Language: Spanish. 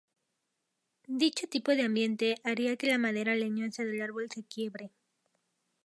Dicho tipo de ambiente haría que la madera leñosa del árbol se quiebre.